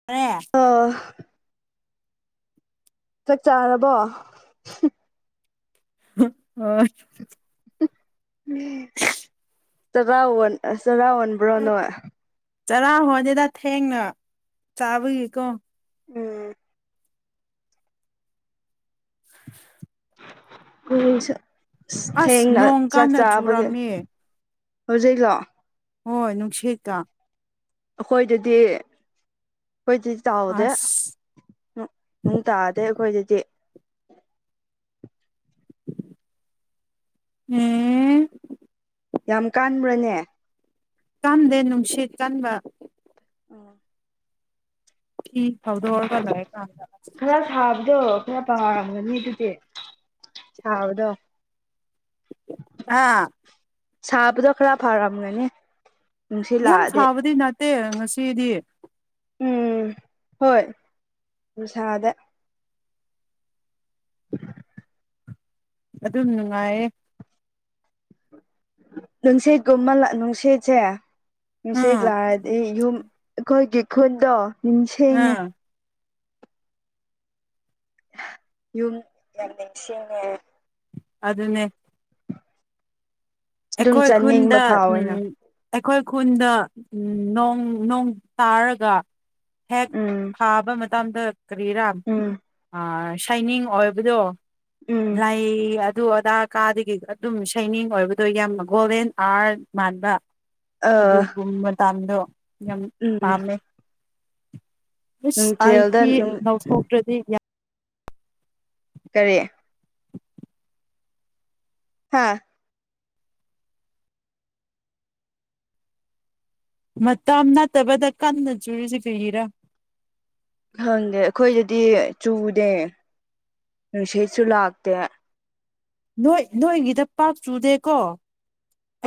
[unintelligible] ꯑꯣ ꯆꯥꯛ ꯆꯥꯔꯕꯣ ꯍꯣꯏ ꯆꯔꯥ ꯋꯥꯟ ꯆꯔꯥ ꯋꯥꯟꯕ꯭ꯔꯣ ꯅꯣꯏ ꯆꯔꯥ ꯍꯣꯗꯦꯗ ꯊꯦꯡꯅ ꯆꯥꯕꯒꯤꯀꯣ ꯎꯝ [inaudible] ꯎ ꯑꯁ ꯊꯦꯡꯅ ꯅꯣꯡ ꯆꯥꯛ ꯀꯥꯟꯅ ꯆꯥꯕꯒꯦ ꯆꯨꯔꯝꯃꯦ ꯍꯨꯖꯤꯛꯂꯣ ꯍꯣꯏ ꯅꯨꯡꯁꯤꯠꯀ ꯑꯩꯈꯣꯏꯗꯗꯤ ꯑꯩꯈꯣꯏꯗꯨꯗꯤ ꯆꯥꯎꯗꯦ ꯑꯁ ꯅꯣ ꯅꯣꯡ ꯇꯥꯗꯦ ꯑꯩꯈꯣꯏꯗꯗꯤ ꯎꯝ ꯌꯥꯝ ꯀꯥꯟꯕ꯭ꯔꯅꯦ ꯀꯥꯟꯗꯦ ꯅꯨꯡꯁꯤꯠ ꯀꯟꯕ ꯎꯝ ꯐꯤ ꯐꯥꯎꯗꯣꯔꯒ ꯂꯣꯏꯔ ꯀꯥꯟꯗ ꯈꯔ ꯁꯥꯕꯗꯣ ꯈꯔ ꯄꯥꯔꯝꯒꯅꯤ ꯑꯗꯨꯗꯤ ꯁꯥꯕꯗꯣ ꯑꯥ ꯁꯥꯕꯗꯣ ꯈꯔ ꯐꯔꯝꯒꯅꯤ ꯅꯨꯡꯁꯤꯠ ꯌꯥꯝ ꯂꯥꯛꯑꯗꯤ ꯁꯥꯕꯗꯤ ꯅꯠꯇꯦ ꯉꯁꯤꯗꯤ ꯎꯝ ꯍꯣꯏ ꯎꯁꯥꯗ ꯑꯗꯨꯝ ꯅꯨꯡꯉꯥꯏꯌꯦ ꯅꯨꯡꯁꯤꯠꯒꯨꯝꯕ ꯂ ꯅꯨꯡꯁꯤꯠꯁꯦ ꯅꯨꯡꯁꯤꯠ ꯑꯥ ꯂꯥꯛꯔꯗꯤ ꯌꯨꯝ ꯑꯩꯈꯣꯏꯒꯤ ꯈꯨꯟꯗꯣ ꯑꯗꯨꯝ ꯁꯦꯡꯉꯦ ꯑꯥ ꯌꯨꯝ ꯌꯥꯝ ꯅꯤꯡꯁꯤꯡꯉꯦ ꯑꯗꯨꯅꯦ ꯑꯗꯨꯝ ꯑꯩꯈꯣꯏ ꯆꯥꯅꯤꯡꯕ ꯈꯨꯟꯗ ꯐꯥꯎꯋꯦꯅ ꯎꯝ ꯑꯩꯈꯣꯏ ꯈꯨꯟꯗ ꯎꯝ ꯅꯣꯡ ꯅꯣꯡ ꯇꯥꯔꯒ ꯍꯦꯛ ꯎꯝ ꯐꯥꯕ ꯃꯇꯝꯗ ꯀ꯭ꯔꯤꯔꯥꯝ ꯎꯝ ꯑ ꯁꯥꯏꯅꯤꯡ ꯑꯣꯏꯕꯗꯣꯥꯏ ꯎꯝ ꯂꯥꯏ ꯏ ꯑꯗꯨ ꯑꯗꯥ ꯀꯥꯗꯒꯤ ꯑꯗꯨꯝ ꯁꯩꯅꯤꯡ ꯑꯣꯏꯕ ꯑꯗꯣ ꯌꯥꯝ ꯒꯣꯚꯦꯟ ꯑꯥꯔꯠ ꯃꯥꯟꯕ ꯑ ꯑꯗꯨꯒꯨꯝꯕ ꯃꯇꯝꯗꯣ ꯌꯥꯝ ꯎꯝ ꯄꯥꯝꯃꯦ ꯏꯁ ꯑꯥꯏ ꯅꯨꯡꯊꯤꯜꯗ ꯐꯤ ꯂꯧꯥꯎꯊꯣꯛꯇ꯭ꯔꯗꯤ ꯀꯔꯤ ꯍꯥꯥ ꯃꯇꯝ ꯅꯠꯇꯕꯗ ꯀꯟꯅ ꯆꯨꯔꯤꯁꯤ ꯀꯩꯒꯤꯔꯥ ꯈꯪꯗꯦ ꯑꯩꯈꯣꯏꯗꯗꯤ ꯆꯨꯗꯦ ꯅꯨꯡꯁꯤꯠꯁꯨ ꯂꯥꯛꯇꯦ ꯅꯣꯏ ꯅꯣꯏꯒꯤꯗ ꯄꯥꯛ ꯆꯨꯗꯦꯀꯣ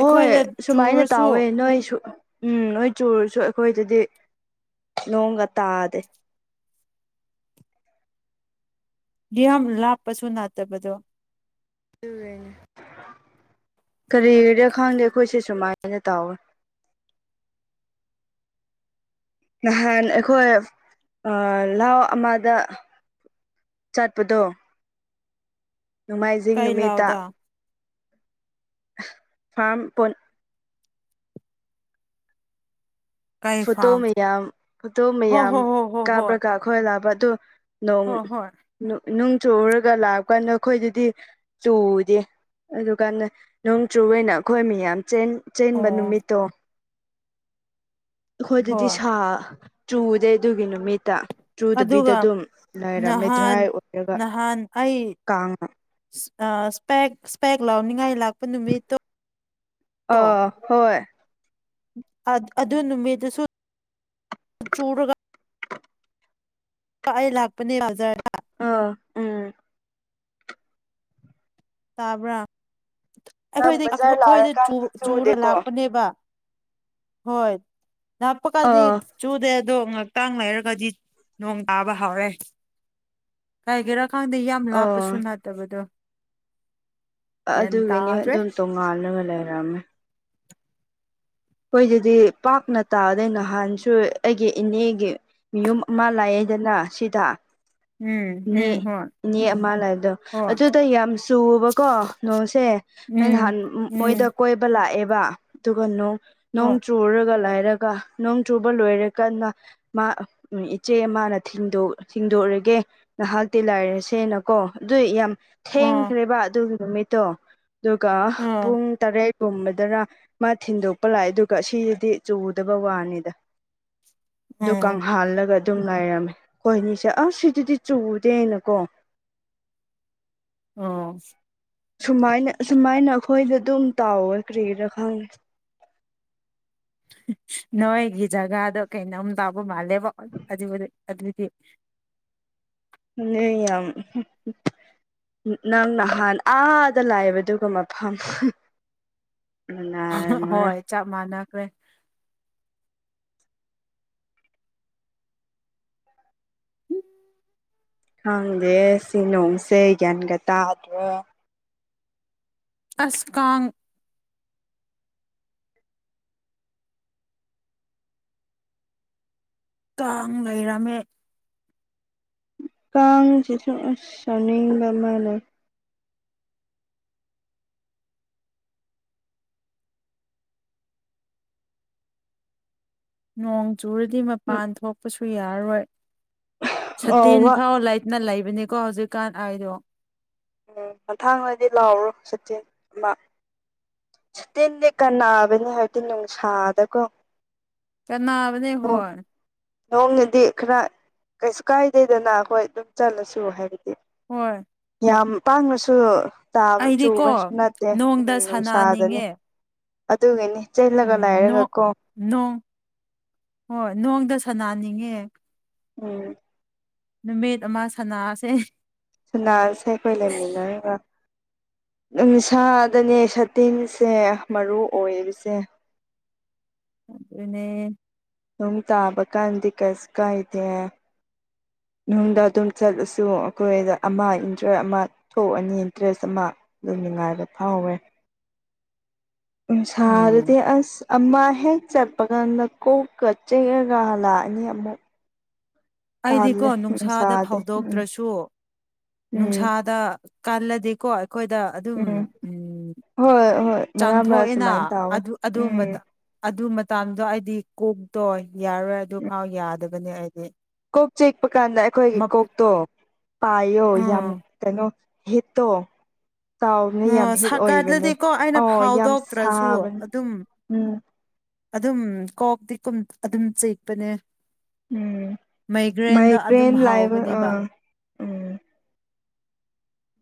ꯍꯣꯏ ꯁꯨꯃꯥꯏꯅ ꯆꯨꯔꯁꯨ ꯇꯥꯎꯋꯦ ꯅꯣꯏꯁꯨ ꯎꯝ ꯅꯣꯏ ꯆꯨꯔꯁꯨ ꯑꯩꯈꯣꯏꯗꯗꯤ ꯅꯣꯡꯒ ꯇꯥꯗꯦ ꯌꯥꯝ ꯌꯥꯝ ꯂꯥꯞꯄꯁꯨ ꯅꯥꯠꯇꯕꯗꯣ ꯀꯔꯤꯗ ꯈꯪꯗꯦ ꯑꯩꯈꯣꯏꯁꯦ ꯁꯨꯃꯥꯏꯅ ꯇꯧꯋꯦ ꯅꯍꯥꯟ ꯑꯩꯈꯣꯏ ꯑꯥ ꯂꯍꯥꯎ ꯑꯃꯗ ꯆꯠꯄꯗꯣ ꯅꯣꯡꯃꯥꯏꯖꯤꯡ ꯀꯩ ꯅꯨꯃꯤꯠꯇ ꯂꯥꯎꯗ ꯐꯥꯝꯄꯨꯟ ꯀꯩ ꯐꯣꯇꯣ ꯐꯥꯝ ꯃꯌꯥꯝ ꯐꯣꯇꯣ ꯍꯣ ꯃꯌꯥꯝ ꯍꯣ ꯍꯣ ꯍꯣ ꯀꯥꯕ꯭ꯔ ꯍꯣꯏ ꯀꯥ ꯈꯣꯏ ꯂꯥꯛꯄ ꯑꯗꯨ ꯅꯣꯡ ꯍꯣ ꯍꯣꯏ ꯅꯨ ꯅꯨꯡ ꯆꯨꯔꯒ ꯂꯥꯛꯑꯀꯥꯟꯗ ꯑꯩꯈꯣꯏꯗꯗꯤ ꯆꯨꯗꯦ ꯑꯗꯨꯀꯥꯟꯗ ꯅꯣꯡ ꯆꯨꯋꯦꯅ ꯑꯩꯈꯣꯏ ꯃꯤꯌꯥꯝ ꯆꯦꯟ ꯆꯦꯟꯕ ꯑꯣ ꯅꯨꯃꯤꯠꯇꯣ ꯑꯩꯈꯣꯏꯗꯗꯤ ꯍꯣꯏ ꯁꯥ ꯆꯨꯗꯦ ꯑꯗꯨꯒꯤ ꯅꯨꯃꯤꯠꯇ ꯆꯨꯗꯕꯤꯗ ꯑꯗꯨꯒ ꯑꯗꯨꯝ ꯂꯩꯔꯝꯃꯦ ꯅꯍꯥꯟ ꯗ꯭ꯔꯥꯏ ꯑꯣꯏꯔꯒ ꯀꯥꯡ ꯏꯁ ꯑꯥ ꯏꯁꯄꯦꯛ ꯏꯁꯄꯦꯛ ꯂꯥꯎꯅꯤꯡꯉꯥꯏ ꯂꯥꯛ ꯑꯥ ꯍꯣꯏ ꯑ ꯑꯗꯨ ꯅꯨꯃꯤꯠꯇꯨꯁꯨ ꯆꯨꯔꯒ ꯒꯥ ꯑꯩ ꯂꯥꯛꯄꯅꯦ ꯕꯖꯔ ꯑꯥ ꯎꯝ ꯇꯥꯕ꯭ꯔꯥ ꯅꯪ ꯑꯩꯈꯣꯏꯗꯤ ꯕꯖꯥꯔ ꯑꯩꯈꯣꯏꯗ ꯆꯨ ꯂꯥꯛꯔꯀꯥꯟꯗꯤ ꯆꯨꯔ ꯆꯨꯗꯦꯀꯣ ꯂꯥꯛꯄꯅꯦꯕ ꯍꯣꯏ ꯂꯥꯞꯄꯀꯥꯗꯤ ꯑꯥ ꯆꯨꯗꯦ ꯑꯗꯣ ꯉꯥꯛꯇꯪ ꯂꯩꯔꯒꯗꯤ ꯅꯣꯡ ꯇꯥꯕ ꯍꯧꯔꯦ ꯀꯥꯏꯒꯦꯔꯥ ꯈꯪꯗꯦ ꯌꯥꯝ ꯑꯥ ꯂꯥꯞꯄꯁꯨ ꯅꯥꯗꯕꯗꯣ ꯑꯥ ꯑꯗꯨꯒꯤꯅꯦ ꯇꯥꯗ꯭ꯔꯦ ꯑꯗꯨꯝ ꯇꯣꯉꯥꯜꯂꯒ ꯂꯩꯔꯝꯃꯦ ꯈꯣꯏꯗꯗꯤ ꯄꯥꯛꯅ ꯇꯥꯗꯦ ꯅꯍꯥꯟꯁꯨ ꯑꯩꯒꯤ ꯏꯅꯦꯒꯤ ꯃꯌꯨꯝ ꯑꯃ ꯂꯥꯏꯑꯦꯗꯅ ꯁꯤꯗ ꯎꯝ ꯎꯝ ꯏꯅꯦ ꯍꯣꯏ ꯏꯅꯦ ꯑꯃ ꯂꯩꯕꯗꯣ ꯍꯣꯏ ꯑꯗꯨꯗ ꯌꯥꯝ ꯆꯨꯕꯀꯣ ꯅꯣꯡꯁꯦ ꯑ ꯎꯝ ꯅꯍꯥꯟ ꯃꯣꯏꯗ ꯎꯝ ꯀꯣꯏꯕ ꯂꯥꯛꯑꯦꯕ ꯑꯗꯨꯒ ꯅꯣꯡ ꯅꯣꯡ ꯍꯣꯏ ꯆ ꯆꯨꯔꯒ ꯂꯩꯔꯒ ꯅꯣꯡ ꯆꯨꯕ ꯂꯣꯏꯔꯦ ꯀꯟꯅ ꯃꯥ ꯎꯝ ꯏꯆꯦ ꯃꯥꯅ ꯊꯤꯟꯗꯣꯛ ꯊꯤꯟꯗꯣꯔꯒꯦ ꯉꯍꯥꯛꯇꯤ ꯂꯥꯏꯔꯁꯦꯅꯀꯣ ꯑꯗꯨꯏ ꯌꯥꯝ ꯑꯣ ꯊꯦꯡꯈ꯭ꯔꯦꯕ ꯑꯗꯨꯒꯤ ꯅꯨꯃꯤꯠꯇꯣ ꯑꯗꯨꯒ ꯑꯣ ꯄꯨꯡ ꯇꯔꯦꯠꯀꯨꯝꯕꯗꯥꯔ ꯃꯥ ꯊꯤꯟꯗꯣꯛꯄ ꯂꯥꯛꯑꯦ ꯑꯗꯨꯒ ꯁꯤꯗꯤ ꯆꯨꯗꯕ ꯋꯥꯅꯤꯗ ꯎꯝ ꯗꯨꯀꯪ ꯍꯥꯜꯂꯒ ꯇꯨꯝ ꯂꯥꯏꯔꯝꯃꯦ ꯍꯣꯏꯅꯤꯁꯦ ꯑꯁ ꯁꯤꯗꯗꯤ ꯆꯨꯗꯦ ꯍꯥꯏꯅꯀꯣ ꯑꯣ ꯁꯨꯃꯥꯏꯅ ꯁꯨꯃꯥꯏꯅ ꯑꯩꯈꯣꯏꯗ ꯑꯗꯨꯝ ꯇꯥꯎꯋꯦ ꯀꯔꯤꯔꯥ ꯈꯪ ꯗꯦ ꯅꯣꯏꯒꯤ ꯖꯒꯥꯗꯣ ꯀꯩꯅꯣꯝ ꯇꯥꯕ ꯃꯥꯜꯂꯦꯕꯣ ꯑꯗꯨꯗꯤ ꯑꯗꯨꯗꯤ [unintelligible] ꯌꯥꯝ ꯅ ꯅꯪ ꯅꯍꯥꯟ ꯑꯥꯗ ꯂꯥꯢꯕꯗꯨꯒ ꯃꯐꯝ ꯅꯥꯔꯝꯃꯔ ꯍꯣꯏ ꯆꯞ ꯃꯥꯟꯅꯈ꯭ꯔꯦ ꯈꯥꯡꯗꯦ ꯁꯤ ꯅꯣꯡꯁꯦ ꯒ꯭ꯌꯥꯟꯒ ꯇꯥꯗ꯭ꯔꯦ ꯑꯁ ꯀꯥꯡ ꯀꯥꯡ ꯂꯩꯔꯝꯃꯦ ꯀꯥꯡꯁꯤꯁꯨ ꯑꯁ ꯁꯥꯎꯅꯤꯡꯕ ꯃꯥ ꯂꯩ ꯅꯣꯡ ꯆꯨꯔꯗꯤ ꯃꯄꯥꯟ ꯊꯣꯛꯄꯁꯨ ꯌꯥꯔꯔꯣꯏ ꯑꯧ ꯁꯇꯤꯟ ꯋꯥ ꯐꯥꯎ ꯂꯩ ꯅ ꯂꯩꯕꯅꯤꯀꯣ ꯍꯧꯖꯤꯛꯀꯥꯟ ꯑꯥꯏꯗꯣ ꯎꯝ ꯃꯊꯥꯡꯗꯗꯤ ꯂꯥꯎꯔꯣ ꯁꯥꯇꯤꯟ ꯑꯃ ꯁꯇꯤꯟꯗꯤ ꯀꯅꯥꯕꯅꯦ ꯍꯥꯏꯕꯗꯤ ꯅꯨꯡꯁꯥꯗꯀꯣ ꯀꯥꯟꯅꯥꯕꯅꯦ ꯍꯣꯢ ꯅꯣꯡꯒꯤꯗꯤ ꯈꯔ ꯀꯩꯁꯨ ꯀꯥꯏꯗꯦꯗꯅ ꯑꯩꯈꯣꯏ ꯑꯗꯨꯝ ꯆꯠꯂꯁꯨ ꯍꯥꯏꯕꯗꯤ ꯍꯣꯏ ꯌꯥꯝ ꯄꯥꯡꯅꯁꯨ ꯇꯥꯕ ꯑꯩꯗꯤꯀꯣ ꯆꯨꯕꯁꯨ ꯅꯠꯇꯦ ꯎꯝ ꯅꯣꯡꯗ ꯅꯨꯡꯁꯥꯗꯅꯦ ꯁꯥꯟꯅꯅꯤꯡꯉꯦ ꯑꯗꯨꯒꯤꯅꯤ ꯎꯝ ꯅꯣꯡ ꯀꯣ ꯅꯣꯡ ꯍꯣꯏ ꯅꯣꯡꯗ ꯁꯅꯥꯅꯤꯡꯉꯦ ꯎꯝ ꯅꯨꯃꯤꯠ ꯑꯃ ꯁꯅꯥꯁꯦ ꯁꯅꯥꯁꯦ ꯈꯣꯏ ꯂꯩꯃꯤꯟꯅꯔꯒ ꯅꯨꯡꯁꯥꯗꯅꯦ ꯁꯥꯇꯤꯟꯁꯦ ꯃꯔꯨ ꯑꯣꯏꯔꯤꯁꯦ ꯑꯗꯨꯅꯦ ꯅꯣꯡ ꯇꯥꯕ ꯀꯥꯟꯗꯤ ꯀꯩꯁꯨ ꯀꯥꯢꯗꯦ ꯅꯨꯡꯗ ꯗꯨꯝ ꯆꯠꯂꯁꯨ ꯑꯈꯣꯏꯗ ꯑꯃ ꯏꯟꯖꯣꯏ ꯑꯃ ꯊꯣꯛꯑꯅꯤ ꯗ꯭ꯔꯦꯁ ꯑꯃ ꯗꯨꯝ ꯅꯨꯉꯥꯏꯕ ꯐꯥꯎꯋꯦ ꯎꯝ ꯅꯨꯡꯁꯥꯗꯗꯤ ꯑꯁ ꯑꯃ ꯍꯦꯛ ꯆꯠꯄꯒ ꯅꯀꯣꯛꯀ ꯆꯤꯛꯔꯒ ꯍꯜꯂꯥꯛꯑꯅꯤ ꯑꯃꯨꯛ ꯑꯩꯗꯤꯀꯣ ꯇꯥꯜꯂꯦ ꯅꯨꯡꯁꯥꯗ ꯅꯨꯡꯁꯥꯗꯤ ꯎꯝ ꯐꯧꯗꯣꯛꯇ꯭ꯔꯁꯨ ꯎꯝ ꯅꯨꯡꯁꯥꯗ ꯀꯥꯜꯂꯗꯤꯀꯣ ꯑꯩꯈꯣꯏꯗ ꯑꯗꯨꯝ ꯎꯝ ꯎꯝ ꯍꯣꯏ ꯍꯣꯏ ꯃꯔꯛ ꯃꯔꯛ ꯆꯪꯊꯣꯛꯑꯦꯅꯥ ꯁꯨꯃꯥꯏꯅ ꯇꯧꯋꯦ ꯑꯗꯨ ꯑꯗꯨ ꯃꯇꯥ ꯎꯝ ꯑꯗꯨ ꯃꯇꯥꯝꯗꯣ ꯑꯩꯗꯤ ꯀꯣꯛꯇꯣ ꯌꯥꯔꯣꯏ ꯎꯝ ꯑꯗꯨꯐꯥꯎ ꯌꯥꯗꯕꯅꯦ ꯑꯩꯗꯤ ꯀꯣꯛ ꯆꯤꯛꯄ ꯀꯥꯟꯗ ꯑꯩꯈꯣꯏꯒꯤ ꯃꯞ ꯀꯣꯛꯇꯣ ꯄꯥꯏꯌꯣ ꯌꯥꯝ ꯎꯝ ꯀꯩꯅꯣ ꯍꯤꯠꯇꯣ ꯇꯥꯎꯕꯅꯦ ꯌꯥꯝ ꯑꯣ ꯍꯤꯠ ꯑꯣꯏꯕꯅꯦ ꯁꯥꯒꯠꯂꯗꯤꯀꯣ ꯑꯩꯅ ꯑꯣ ꯌꯥꯝ ꯐꯥꯎꯗꯣꯛꯇ꯭ꯔꯁꯨ ꯁꯥꯕꯅꯦ ꯑꯗꯨꯝ ꯎꯝ ꯑꯗꯨꯝ ꯀꯣꯛꯇꯤ ꯀꯨꯝ ꯑꯗꯨꯝ ꯆꯤꯛꯄꯅꯦ ꯎꯝ ꯃꯩꯒ꯭ꯔꯦꯟꯗ ꯑꯗꯨꯝ ꯃꯥꯏꯒ꯭ꯔꯦꯟ ꯂꯥꯏꯕ ꯍꯥꯎꯕꯅꯦꯕ ꯑꯥ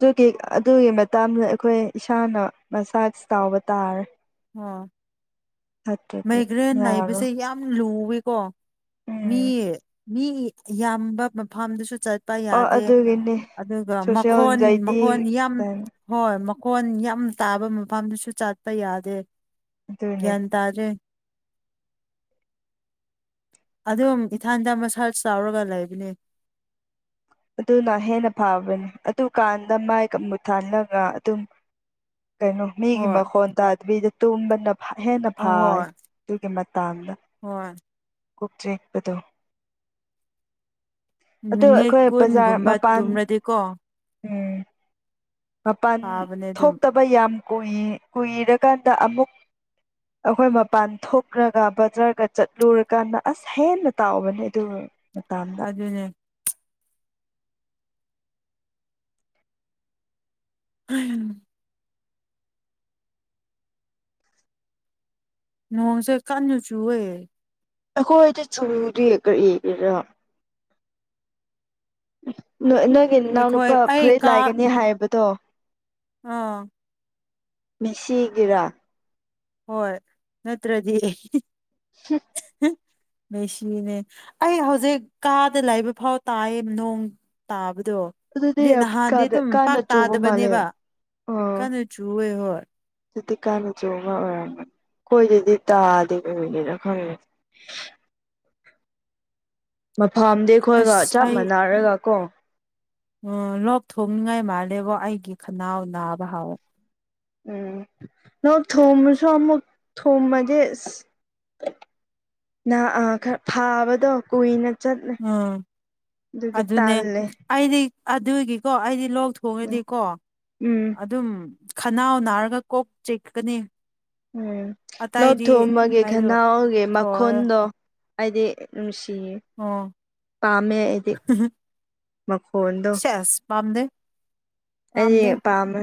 ꯗꯨꯒꯤ ꯑꯗꯨꯒꯤ ꯃꯇꯝꯂ ꯑꯩꯈꯣꯢ ꯏꯁꯥꯅ ꯃꯁꯥꯖ ꯇꯥꯎꯕ ꯇꯥꯔꯦ ꯑꯣ ꯅꯠꯇ꯭ꯔꯗꯤ ꯃꯩꯒ꯭ꯔꯦꯟ ꯌꯥꯔꯣꯏ ꯂꯩꯕꯁꯦ ꯌꯥꯝ ꯂꯨꯋꯦꯀꯣ ꯃꯤ ꯎꯝ ꯃꯤ ꯌꯥꯝꯕ ꯃꯐꯥꯝꯗꯁꯨ ꯆꯠ ꯄ ꯑꯣ ꯌꯥꯗꯦ ꯑꯗꯨꯒꯤꯅꯦ ꯑꯗꯨꯒ ꯁꯣꯁꯦꯜ ꯃꯈꯣꯟ ꯑꯦꯟꯖꯥꯏꯇꯤ ꯃꯈꯣꯟ ꯌꯥꯝ ꯍꯣꯏ ꯃꯈꯣꯟ ꯌꯥꯝ ꯇꯥꯕ ꯃꯐꯝꯗꯨꯁꯨ ꯆꯥꯠꯄ ꯌꯥꯗꯦ ꯑꯗꯨꯅꯦ ꯒ꯭ꯌꯥꯟ ꯇꯥꯗꯦ ꯑꯗꯨꯝ ꯏꯊꯥꯟꯗ ꯃꯁꯔꯁ ꯇꯥꯎꯔꯒ ꯂꯩꯕꯅꯦ ꯑꯗꯨꯅ ꯍꯦꯟꯅ ꯐꯕꯅꯤ ꯑꯗꯨꯀꯥꯟꯗ ꯃꯥꯏꯒ ꯃꯨꯠꯊꯥꯜꯂꯒ ꯑꯗꯨꯝ ꯀꯩꯅꯣ ꯃꯤꯒꯤ ꯍꯣꯏ ꯃꯈꯣꯟ ꯇꯥꯗꯕꯤꯗ ꯇꯨꯝꯕꯅ ꯍꯦꯟꯅ ꯐꯥꯏꯌꯦ ꯑꯍꯣꯏ ꯗꯨꯒꯤ ꯃꯇꯥꯡꯗ ꯍꯣꯏ ꯀꯣꯛ ꯆꯦꯛꯄꯗꯣ ꯃꯤꯅꯤꯠ ꯑꯩꯈꯣꯏ ꯕꯖꯥꯔ ꯀꯨꯟꯒꯨꯝꯕ ꯃꯄꯥꯟ ꯇꯨꯝꯔꯗꯤꯀꯣ ꯎꯝ ꯃꯄꯥꯟ ꯐꯥꯕꯅꯦ ꯑꯗꯨꯝ ꯊꯣꯛꯇꯕ ꯌꯥꯝ ꯀꯨꯏ ꯀꯨꯏꯔꯀꯥꯟꯗ ꯑꯃꯨꯛ ꯑꯩꯈꯣꯏ ꯃꯄꯥꯟ ꯊꯣꯛꯂꯒ ꯕꯖꯔꯒ ꯆꯠꯂꯨꯔꯀꯥꯟꯗ ꯑꯁ ꯍꯦꯟꯅ ꯇꯥꯎꯕꯅꯦ ꯑꯗꯨ ꯃꯇꯝ ꯗꯨꯨꯅꯦ ꯎꯝ ꯅꯣꯡꯁꯦ ꯀꯟꯅ ꯆꯨꯋꯦ ꯑꯩꯈꯣꯏꯗ ꯆꯨꯗꯦ ꯀꯔꯤꯒꯤꯔꯥ ꯅꯣꯏ ꯅꯣꯏꯒꯤ ꯑꯩꯈꯣꯏ ꯅꯅꯥꯎꯅꯨꯄꯥ ꯑꯩ ꯐꯨꯔꯤꯠ ꯀꯥ ꯂꯥꯏꯒꯅꯤ ꯍꯥꯏꯕꯗꯣ ꯑꯥ ꯃꯤꯁꯤꯒꯤꯔꯥ ꯍꯣꯏ ꯅꯠꯇ꯭ꯔꯗꯤ ꯍꯨꯝ ꯍꯨꯝ ꯃꯦꯁꯤꯅꯦ ꯑꯩ ꯍꯧꯖꯤꯛ ꯀꯥꯗ ꯂꯩꯕ ꯐꯥꯎ ꯇꯥꯏꯌꯦ ꯅꯣꯡ ꯇꯥꯕꯗꯣ ꯑꯗꯨꯗꯤ ꯑꯗꯩ ꯌꯥꯝ ꯅꯍꯥꯟꯗꯤ ꯀꯥꯟꯅ ꯑꯗꯨꯝ ꯄꯥꯛ ꯀꯥꯟꯅ ꯆꯨꯕ ꯃꯥꯜꯂꯦ ꯇꯥꯗꯕꯅꯦꯕ ꯀꯅꯣ ꯆꯨꯋꯦ ꯍꯣꯏ ꯑꯗꯨꯗꯤ ꯀꯥꯟꯅ ꯆꯨꯕ ꯑꯣꯏꯔꯝꯃꯣꯏ ꯑꯩꯈꯣꯏꯗꯗꯤ ꯇꯥꯗꯦ ꯀꯔꯤꯒꯤꯅꯣ ꯈꯪꯉ ꯃꯐꯝꯗꯤ ꯑꯩꯈꯣꯏꯒ ꯑꯁ ꯆꯞ ꯃꯥꯟꯅꯔꯒ ꯀꯣ ꯑꯣ ꯂꯣꯛ ꯊꯨꯡꯅꯤꯡꯉꯥꯏ ꯃꯥꯜꯂꯦꯕꯣ ꯑꯩꯒꯤ ꯈꯅꯥꯎ ꯅꯥꯕ ꯍꯥꯎꯋꯦ ꯎꯝ ꯂꯣꯛ ꯊꯣꯝꯂꯁꯨ ꯑꯃꯨꯛ ꯊꯣꯝꯂꯗꯤ ꯑꯁ ꯅꯪ ꯑꯥ ꯈꯔ ꯐꯥꯕꯗꯣ ꯀꯨꯏꯅ ꯆꯠꯂꯦ ꯎꯝ ꯑꯗꯨꯒꯤ ꯑꯗꯨꯅꯦ ꯇꯥꯜꯂꯦ ꯑꯩꯗꯤ ꯑꯗꯨꯒꯤꯀꯣ ꯑꯩꯗꯤ ꯂꯣꯛ ꯊꯣꯡꯉꯗꯤꯀꯣ ꯎꯝ ꯑꯗꯨꯝ ꯈꯅꯥꯎ ꯅꯥꯔꯒ ꯀꯣꯛ ꯆꯦꯛꯀꯅꯤ ꯎꯝ ꯂꯣꯛ ꯊꯨꯝꯕꯒꯦ ꯑꯩꯗꯣ ꯈꯅꯥꯎꯒꯤ ꯊꯣꯛꯑꯦ ꯃꯈꯣꯟꯗꯣ ꯑꯩꯗꯤ ꯅꯨꯡꯁꯤꯌꯦ ꯑꯣ ꯄꯥꯝꯃꯦ ꯑꯩꯗꯤ ꯃꯈꯣꯟꯗꯣ ꯄꯝꯗꯦ ꯑꯩꯗꯤ ꯄꯥꯝꯃꯦ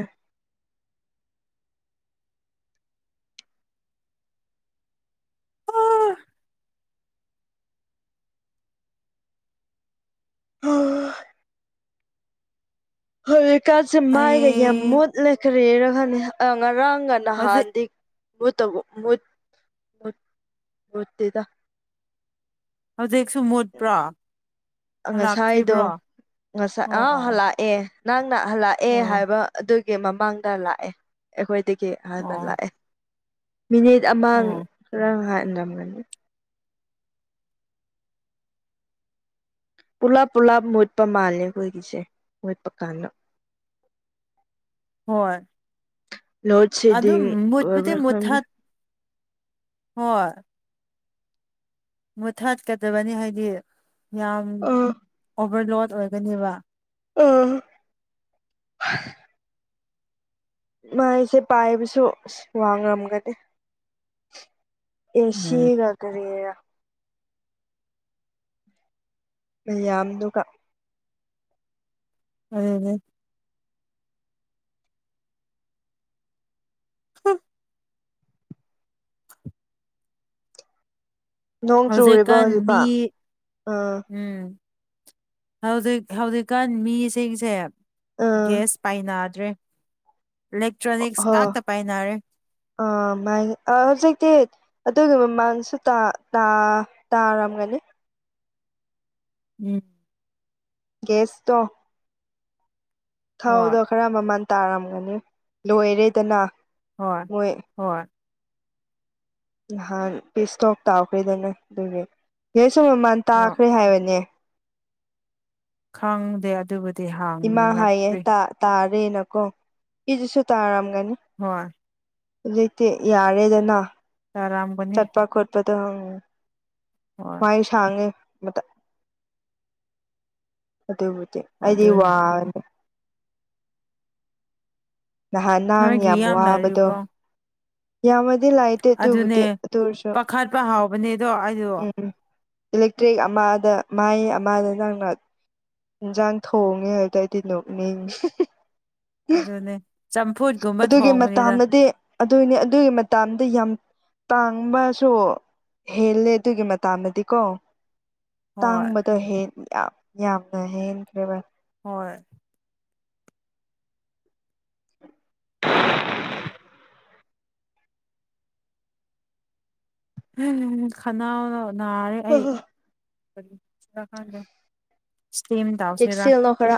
ꯑꯥ ꯍꯣꯏ ꯍꯧꯖꯤꯛꯀꯥꯟꯁꯦ ꯃꯩꯒ ꯌꯥꯝ ꯑꯩ ꯃꯨꯠꯂꯦ ꯀꯔꯤꯔ ꯈꯪꯗꯦ ꯉꯔꯥꯡꯒ ꯍꯧꯖꯤꯛ ꯅꯍꯥꯟꯗꯤ ꯃꯨꯠꯇꯕꯨ ꯃꯨꯠ ꯃꯨꯠ ꯃꯨꯠꯇꯦꯗ ꯍꯧꯖꯤꯛꯁꯨ ꯃꯨꯠꯄ꯭ꯔꯥ ꯉꯁꯥꯏꯗꯣ ꯉꯁꯥꯏ ꯑꯣ ꯑꯥ ꯑꯣ ꯍꯜꯂꯛꯑꯦ ꯅꯪꯅ ꯍꯜꯂꯛꯑꯦ ꯑꯣ ꯍꯥꯏꯕ ꯑꯗꯨꯒꯤ ꯃꯃꯥꯡꯗ ꯂꯥꯛꯑꯦ ꯑꯩꯈꯣꯏꯗꯒꯤ ꯍꯥꯟꯅ ꯑꯣ ꯂꯥꯛꯑꯦ ꯃꯤꯅꯤꯠ ꯑꯃꯥ ꯑꯣ ꯈꯔ ꯍꯥꯜꯂꯝꯒꯅꯤ ꯄꯨꯂꯞ ꯄꯨꯂꯞ ꯃꯨꯠꯄ ꯃꯥꯜꯂꯦ ꯑꯩꯈꯣꯏꯒꯤꯁꯦ ꯃꯨꯠꯄ ꯀꯥꯟꯗ ꯍꯣꯏ ꯂꯣꯗ ꯑꯗꯨꯝ ꯁꯦꯗꯤꯡ ꯃꯨꯠꯄꯨꯗꯤ ꯑꯣꯏꯔ꯭ꯕꯥ ꯈꯪꯗꯦ ꯃꯨꯠꯊꯠ ꯍꯣꯏ ꯃꯨꯊꯠꯀꯗꯕꯅꯤ ꯍꯥꯏꯗꯤ ꯌꯥꯝ ꯑꯥ ꯑꯣꯚꯔꯂꯣꯗ ꯑꯣꯏꯒꯅꯤꯕ ꯑꯥ ꯃꯩꯁꯦ ꯄꯥꯏꯕꯁꯨ ꯋꯥꯉꯝꯒꯅꯤ ꯎꯝ ꯑꯦꯁꯤꯔ ꯀꯔꯤꯔ ꯃꯌꯥꯝꯗꯨꯒ ꯑꯗꯨꯅꯦ ꯍꯥ ꯅꯣꯡ ꯆꯨꯔꯤꯕ ꯍꯧꯖꯤꯛꯀꯥꯟ ꯃꯤ ꯍꯧꯖꯤꯛꯐꯥꯎ ꯑꯥ ꯎꯝ ꯍꯧꯖꯤꯛ ꯍꯧꯖꯤꯛꯀꯥꯟ ꯃꯤꯁꯤꯡꯁꯦ ꯑꯥ ꯒꯦꯁ ꯄꯥꯏꯅꯗ꯭ꯔꯦ ꯏꯂꯦꯛꯇ꯭ꯔꯣꯅꯤꯛꯁ ꯉꯥꯛꯇ ꯄꯥꯏꯅꯔꯦ ꯑ ꯃꯥ ꯑꯥ ꯍꯧꯖꯤꯛꯇꯤ ꯑꯗꯨꯒꯤ ꯃꯃꯥꯡꯁꯨ ꯇꯥ ꯇꯥ ꯇꯥꯔꯝꯒꯅꯤ ꯎꯝ ꯒꯥꯁꯇꯣ ꯍꯣꯏ ꯊꯥꯎꯗꯣ ꯈꯔ ꯃꯃꯜ ꯇꯥꯔꯝꯒꯅꯤ ꯂꯣꯏꯔꯦꯗꯅ ꯍꯣꯏ ꯃꯣꯏ ꯍꯣꯏ ꯅꯍꯥꯟ ꯄꯤꯁ ꯇꯣꯛ ꯇꯥꯎꯈ꯭ꯔꯦꯗꯅ ꯑꯗꯨꯒꯤ ꯒꯥꯁꯁꯨ ꯃꯃꯜ ꯍꯣꯏ ꯇꯥꯈ꯭ꯔꯦ ꯍꯥꯏꯕꯅꯦ ꯈꯪꯗꯦ ꯑꯗꯨꯕꯨꯗꯤ ꯍꯥꯡꯉꯛꯇ꯭ꯔꯤ ꯇꯥꯔꯦ ꯅꯀꯣ ꯀꯤꯖꯨꯁꯨ ꯇꯥꯔꯝꯒꯅꯤ ꯍꯣꯏ ꯍꯧꯖꯤꯛꯇꯤ ꯌꯥꯔꯦꯗꯅ INAUDIBLE ꯆꯠꯄꯥ-ꯈꯣꯠꯄꯗꯣ ꯍꯣꯏ ꯋꯥꯏꯁ ꯁꯪꯉꯦ ꯑꯗꯨꯕꯨꯗꯤ ꯍꯣꯏ ꯑꯩꯗꯤ ꯑꯗꯨꯅꯤ ꯋꯥꯅꯤ ꯅꯍꯥꯟ ꯅꯪ ꯅꯣꯏꯒꯤ ꯌꯥꯝ ꯋꯥꯕꯗꯣ ꯂꯩꯔꯤꯕ꯭ꯔꯣ ꯌꯥꯝꯅꯗꯤ ꯂꯥꯏꯇꯦ ꯑꯗꯨꯅꯦ ꯇꯨꯕꯗꯤ ꯑꯗꯨ ꯑꯣꯏꯔꯁꯨ ꯄꯥꯈꯠꯄ ꯍꯥꯎꯕꯅꯦꯗꯣ ꯑꯩꯗꯣ ꯎꯪ ꯏꯂꯦꯛꯇ꯭ꯔꯤꯛ ꯑꯃꯗ ꯃꯥꯏ ꯑꯃꯗ ꯅꯪꯅ ꯍꯤꯟꯁꯥꯡ ꯊꯣꯡꯉꯦ ꯑꯗꯨꯗꯩꯗꯤ ꯅꯣꯛꯅꯤꯡꯉꯤ ꯑꯗꯨꯅꯦ ꯆꯝꯐꯨꯠꯀꯨꯝꯕ ꯊꯣꯡꯕꯅꯤꯗ ꯑꯗꯨꯏꯅꯦ ꯑꯗꯨꯒꯤ ꯃꯇꯝꯗ ꯌꯥꯝ ꯇꯥꯡꯕꯁꯨ ꯍꯦꯜꯂꯦ ꯑꯗꯨꯒꯤ ꯃꯇꯥꯝꯗꯗꯤ ꯀꯣ ꯍꯣꯏ ꯇꯥꯡꯕꯗꯣ ꯍꯦꯛ ꯌꯥꯝ ꯌꯥꯝꯅ ꯍꯦꯟꯈ꯭ꯔꯦꯕ ꯍꯣꯏ ꯎꯪꯎꯪ ꯈꯅꯥꯎꯅ ꯅꯥꯔꯦ ꯑꯩ UNINTELLIGIBLE ꯆꯦꯛꯁꯤꯜꯂꯣ ꯈꯔ